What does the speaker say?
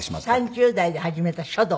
３０代で始めた書道。